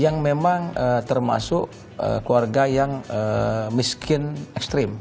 yang memang termasuk keluarga yang miskin ekstrim